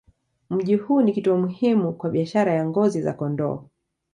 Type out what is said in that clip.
Mji huu ni kituo muhimu kwa biashara ya ngozi za kondoo.